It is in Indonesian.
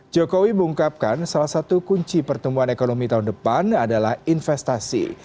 jokowi mengungkapkan salah satu kunci pertumbuhan ekonomi tahun depan adalah investasi